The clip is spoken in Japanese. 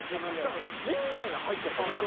多分１０位以内には入ってると思います。